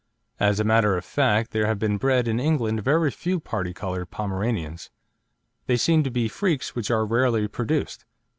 As a matter of fact, there have been bred in England very few parti coloured Pomeranians; they seem to be freaks which are rarely produced.